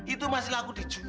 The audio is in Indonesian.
itu masih laku dijual